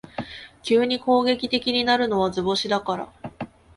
急に攻撃的になるのは図星だから